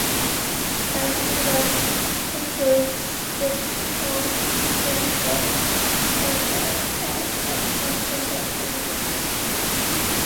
His television work includes "The Trojan Horse", "Poldark" and "The Merchant of Venice".